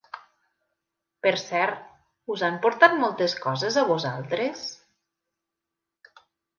Per cert, us han portat moltes coses a vosaltres?